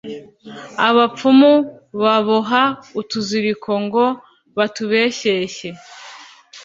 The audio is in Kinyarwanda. abapfumu baboha utuziriko ngo batubeshyeshye!